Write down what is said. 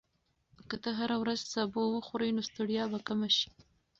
که ته هره ورځ سبو وخورې، نو ستړیا به کمه شي.